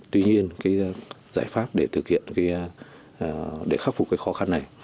tuy nhiên giải pháp để thực hiện để khắc phục khóa học